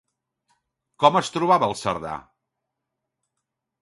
Com es trobava el Cerdà?